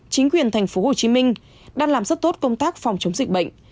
chính quyền thành phố hồ chí minh đang làm rất tốt công tác phòng chống dịch bệnh